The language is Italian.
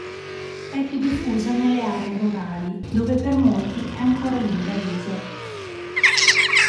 È più diffusa nelle aree rurali, dove per molti è ancora lingua d'uso.